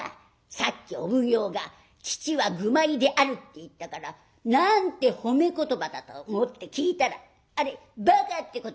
さっきお奉行が『父は愚昧である』って言ったからなんて褒め言葉だと思って聞いたらあればかってことじゃねえか。